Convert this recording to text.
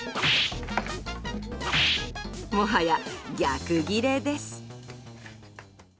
もはや、逆ギレです。